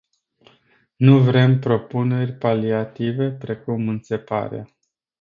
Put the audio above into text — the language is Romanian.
Nu vrem propuneri paliative precum "înțeparea”.